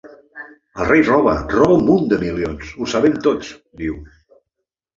El rei roba, roba un munt de milions, ho sabem tots, diu.